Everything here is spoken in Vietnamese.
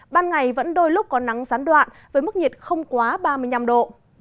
ban ngày vẫn đôi lúc có nắng gián đoạn với mức nhiệt không quá ba mươi năm độ